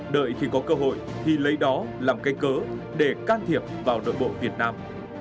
đợi khi có cơ hội thì lấy đó làm cây cớ để can thiệp vào nội bộ việt nam